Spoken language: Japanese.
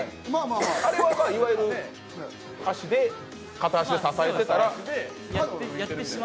あれはいわゆる、片足で支えてたら。